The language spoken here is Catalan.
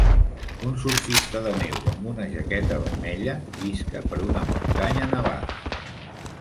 Un surfista de neu amb una jaqueta vermella llisca per una muntanya nevada.